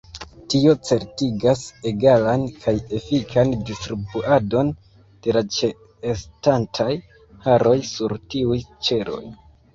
Tio certigas egalan kaj efikan distribuadon de la ĉeestantaj haroj sur tiuj ĉeloj.